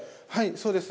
そうです。